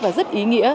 và rất ý nghĩa